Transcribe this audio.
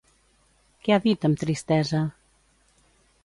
Què ha dit, amb tristesa?